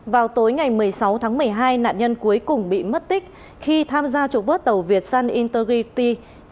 vào tối ngày một mươi sáu tháng một mươi hai nạn nhân cuối cùng bị mất tích khi tham gia trục bước tàu việt sun integrity